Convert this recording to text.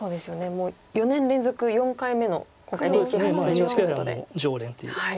もう４年連続４回目の今回ＮＨＫ杯出場ということで。